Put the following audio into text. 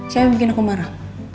siapa yang bikin aku marah